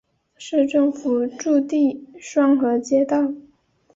市政府驻地双河街道。